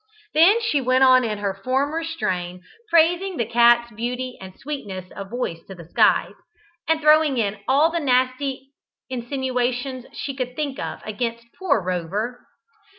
Then she went on in her former strain, praising the cat's beauty and sweetness of voice to the skies, and throwing in all the nasty insinuations she could think of against poor Rover.